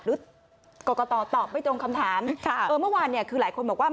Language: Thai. หรือกรกตตอบไม่ตรงคำถามค่ะเออเมื่อวานเนี่ยคือหลายคนบอกว่า